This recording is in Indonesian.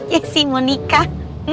yesi mau nikah